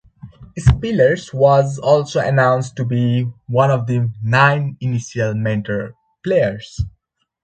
Spiller was also announced to be one of the nine initial mentor players.